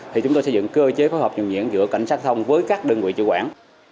thì chúng tôi sẽ dựng cơ chế phối hợp dùng nhiễm giữa cảnh sát thông với các đơn vị chủ quản